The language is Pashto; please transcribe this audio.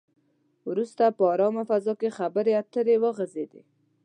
وروسته په ارامه فضا کې خبرې اترې وغځېدې.